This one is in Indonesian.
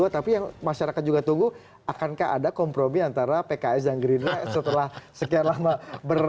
tapi yang masyarakat juga tunggu akankah ada kompromi antara pks dan gerindra setelah sekian lama ber